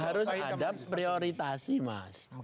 harus ada prioritasi mas